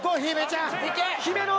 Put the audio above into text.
姫野！